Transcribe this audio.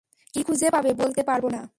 কী খুঁজে পাবে বলতে পারব না।